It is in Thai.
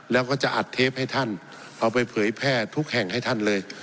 แล้วก็จะอัดเทปให้ท่านเอาไปเผยแพร่ทุกแห่งให้ท่านเลย